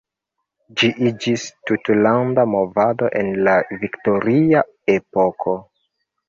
Ĝi iĝis tutlanda movado en la Viktoria epoko.